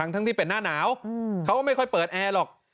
ทั้งที่เป็นหน้าหนาวเขาก็ไม่ค่อยเปิดแอร์หรอก